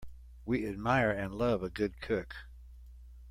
We admire and love a good cook.